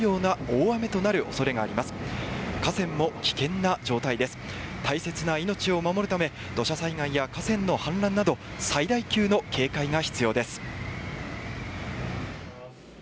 大切な命を守るため土砂災害や河川の氾濫など最大級の警戒が必要です。